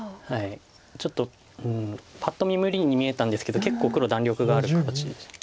ちょっとパッと見無理に見えたんですけど結構黒弾力がある形でした。